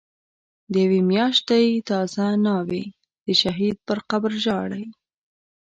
د یوی میاشتی تازه ناوی، دشهید پر قبرژاړی